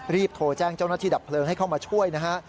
รีบโทรแจ้งเจ้าหน้าที่ดับเพลิงให้เข้ามาช่วยนะฮะ